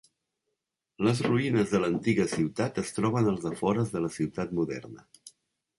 Les ruïnes de l'antiga ciutat es troben als afores de la ciutat moderna.